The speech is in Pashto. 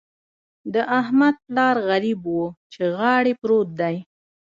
د احمد پلار غريب وچې غاړې پروت دی.